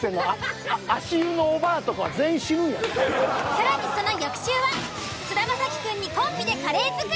更にその翌週は菅田将暉くんにコンビでカレー作り。